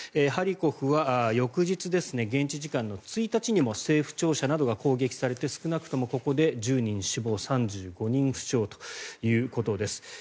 ハリコフは翌日現地時間の１日にも政府庁舎などが攻撃されて少なくともここで１０人が死亡３５人が負傷ということです。